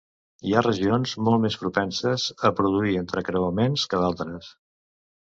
Hi ha regions molt més propenses a produir entrecreuaments que d'altres.